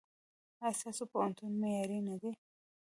ایا ستاسو پوهنتون معیاري نه دی؟